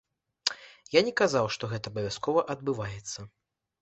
Я не казаў, што гэта абавязкова адбываецца.